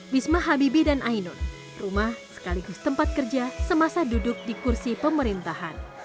bisma habibie dan ainun rumah sekaligus tempat kerja semasa duduk di kursi pemerintahan